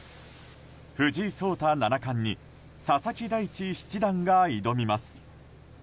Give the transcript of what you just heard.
藤井聡太七冠に佐々木大地七段が挑みます。